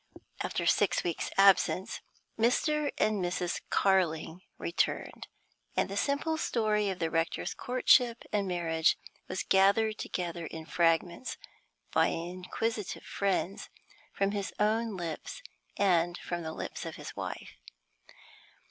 After six weeks' absence Mr. and Mrs. Carling returned, and the simple story of the rector's courtship and marriage was gathered together in fragments, by inquisitive friends, from his own lips and from the lips of his wife.